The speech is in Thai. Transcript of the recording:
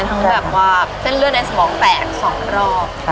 ทั้งแบบว่าเส้นเลือดในสมองแตก๒รอบ